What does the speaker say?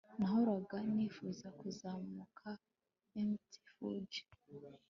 Nahoraga nifuza kuzamuka Mt Fuji